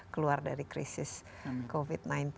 keluar dari krisis covid sembilan belas